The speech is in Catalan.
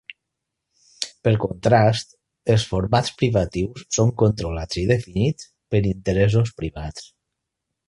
Per contrast, els formats privatius són controlats i definits per interessos privats.